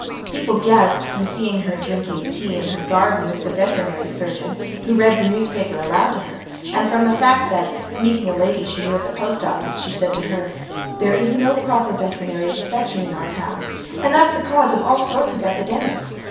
People guessed, from seeing her drinking tea in her garden with the veterinary surgeon, who read the newspaper aloud to her, and from the fact that, meeting a lady she knew at the post office, she said to her: "There is no proper veterinary inspection in our town, and that's the cause of all sorts of epidemics.